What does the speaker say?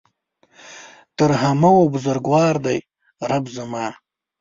تر همه ؤ بزرګوار دی رب زما